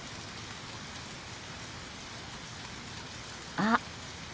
あっ。